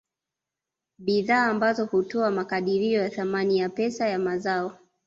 Bidhaa ambazo hutoa makadirio ya thamani ya pesa ya mazao